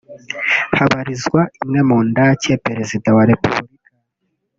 habarizwa imwe mu ndake Perezida wa Repubulika